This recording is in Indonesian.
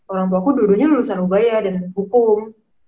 orang tua aku dua duanya lulusan ubaya dan hukum